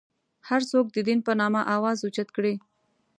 هر څوک د دین په نامه اواز اوچت کړي.